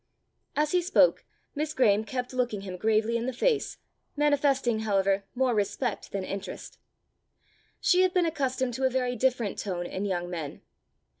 As he spoke, Miss Graeme kept looking him gravely in the face, manifesting, however, more respect than interest. She had been accustomed to a very different tone in young men.